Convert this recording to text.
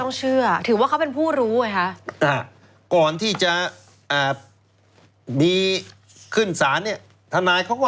เราต้องเชื่อถือว่าเขาเป็นผู้รู้เลยคะ